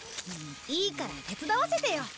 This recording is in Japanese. いいから手伝わせてよ。